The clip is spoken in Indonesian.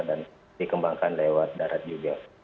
dan dikembangkan lewat darat juga